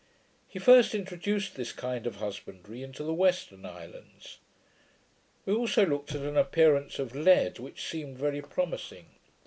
He first introduced this kind of husbandry into the Western islands. We also looked at an appearance of lead, which seemed very promising.